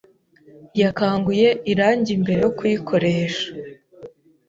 Yakanguye irangi mbere yo kuyikoresha.